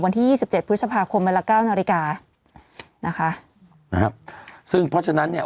ยี่สิบเจ็ดพฤษภาคมเวลาเก้านาฬิกานะคะนะครับซึ่งเพราะฉะนั้นเนี่ย